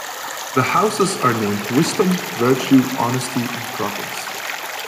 The houses are named Wisdom, Virtue, Honesty and Progress.